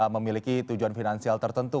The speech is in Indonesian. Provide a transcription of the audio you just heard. memiliki tujuan finansial tertentu